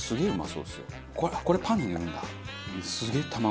これパンに塗るんだ。